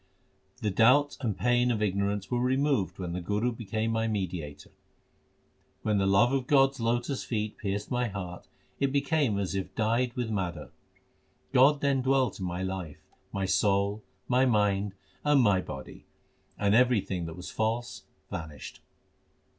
The doubt and pain of ignorance were removed when the Guru became my mediator. When the love of God s lotus feet pierced my heart, it became as if dyed with madder. God then dwelt in my life, my soul, my mind, and my body ; and everything that was false vanished.